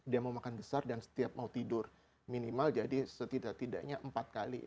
dia mau makan besar dan setiap mau tidur minimal jadi setidak tidaknya empat kali